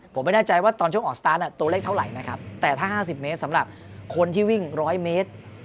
ผมไม่แน่ใจว่าตอนช่วงออกสตาร์ทตัวเลขเท่าไหร่นะครับแต่ถ้า๕๐เมตรสำหรับคนที่วิ่ง๑๐๐เมตร